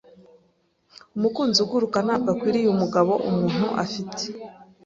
Umukunzi uguruka ntabwo akwiriye umugabo umuntu afite.